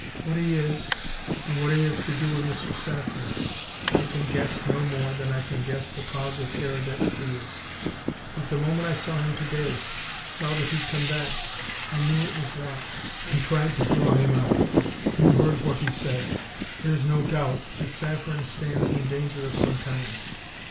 What he is, or what he has to do with Mr. Saffren, I can guess no more than I can guess the cause of Keredec's fears, but the moment I saw him to day, saw that he'd come back, I knew it was THAT, and tried to draw him out. You heard what he said; there's no doubt that Saffren stands in danger of some kind.